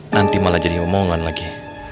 nanti malah jadi omongan lagi